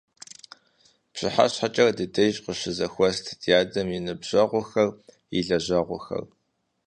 ПщыхьэщхьэкӀэрэ ди деж къыщызэхуэст ди адэм и ныбжьэгъухэр, и лэжьэгъухэр.